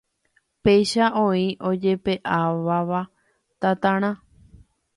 Péicha oĩ ojepe'aváva tatarã